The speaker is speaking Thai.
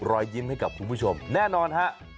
รอยยิ้มให้กับคุณผู้ชมแน่นอนฮะ